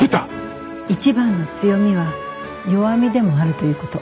一番の強みは弱みでもあるということ。